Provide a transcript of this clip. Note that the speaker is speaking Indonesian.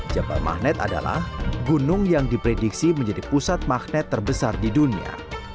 jabal mahnet adalah gunung yang diprediksi menjadi pusat magnet terbesar di dunia